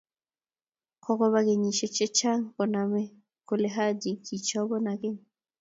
Kukuba kenyishe che chang koname koleHaji kichobon akeny.